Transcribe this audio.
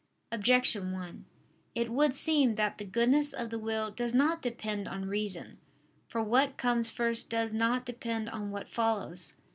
Objection 1: It would seem that the goodness of the will does not depend on reason. For what comes first does not depend on what follows.